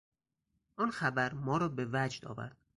آن خبر ما را به وجد آورد.